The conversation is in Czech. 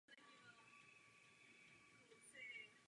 Spojené státy odmítly jakoukoliv zodpovědnost.